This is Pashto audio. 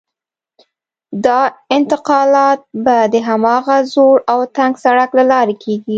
دا انتقالات به د هماغه زوړ او تنګ سړک له لارې کېږي.